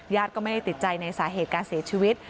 ก็ไม่ได้ติดใจในสาเหตุการเสียชีวิต